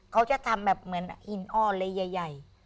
เขาจะทำแบบเหมือนหินอ้อเลยใหญ่